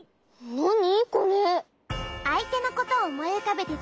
なに？